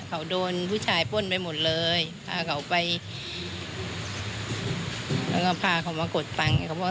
เขาโดนผู้ชายป้นไปหมดเลยพาเขาไปแล้วก็พาเขามากดฟังเขาบอก